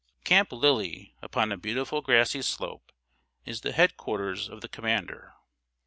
Camp Lillie, upon a beautiful grassy slope, is the head quarters of the commander.